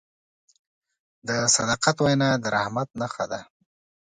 د صداقت وینا د رحمت نښه ده.